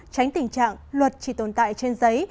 tránh tình trạng luật chỉ tồn tại trên giấy